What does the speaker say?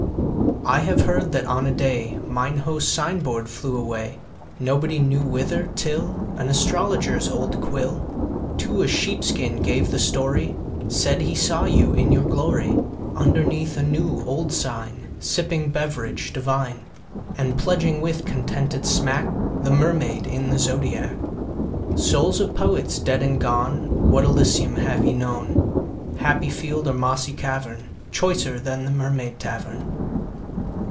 I have heard that on a day Mine host's sign board flew away, Nobody knew whither, till An astrologer's old quill To a sheepskin gave the story, Said he saw you in your glory, Underneath a new old sign Sipping beverage divine, 20 And pledging with contented smack The Mermaid in the Zodiac. Souls of Poets dead and gone, What Elysium have ye known, Happy field or mossy cavern, Choicer than the Mermaid Tavern?